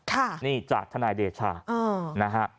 ค่ะนี่จากทนายเดชานะฮะ